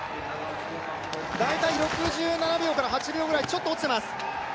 大体、６７秒から６８秒くらいちょっと落ちてます。